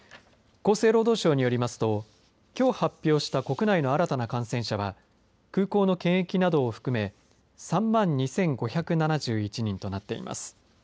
厚生労働省によりますときょう発表した国内の新たな感染者は空港の検疫などを含め３万２５７１人となっています。